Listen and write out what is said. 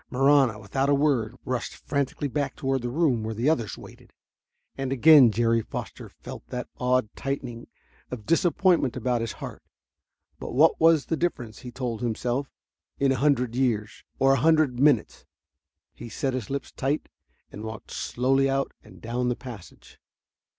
Marahna, without a word, rushed frantically back toward the room where the others waited. And again Jerry Foster felt that odd tightening of disappointment about his heart. But what was the difference, he told himself, in a hundred years or a hundred minutes. He set his lips tight and walked slowly out and down the passage.